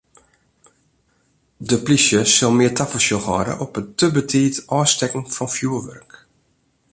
De polysje sil mear tafersjoch hâlde op it te betiid ôfstekken fan fjoerwurk.